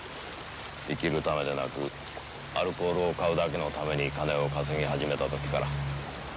生きるためでなくアルコールを買うだけのために金を稼ぎ始めた時から。